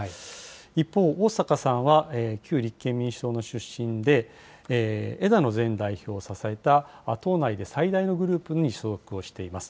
一方、逢坂さんは旧立憲民主党の出身で、枝野前代表を支えた、党内で最大のグループに所属をしています。